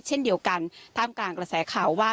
เช่นเดียวกันท่ามกลางกระแสข่าวว่า